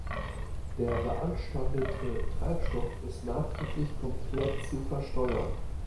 Der beanstandete Treibstoff ist nachträglich komplett zu versteuern.